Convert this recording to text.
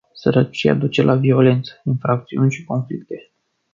Sărăcia duce la violență, infracțiuni și conflicte.